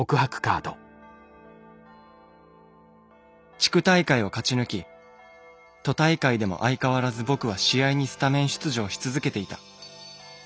「地区大会を勝ち抜き都大会でも相変わらず僕は試合にスタメン出場し続けていた。